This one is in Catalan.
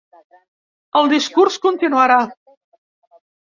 El discurs continuarà.